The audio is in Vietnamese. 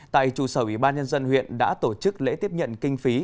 tại trụ sở ủy ban nhân dân huyện đã tổ chức lễ tiếp nhận kinh phí